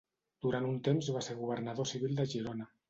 Durant un temps va ser governador civil de Girona.